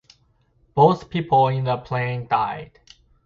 Both people in the plane died.